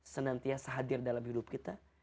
senantiasa hadir dalam hidup kita